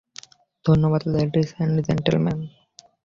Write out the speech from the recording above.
ধন্যবাদ, ladies and gentle man.